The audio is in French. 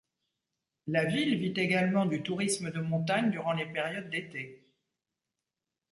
La ville vit également du tourisme de montagne durant les périodes d'été.